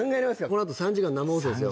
このあと３時間生放送ですよ